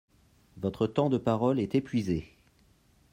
Votre temps de parole est épuisé.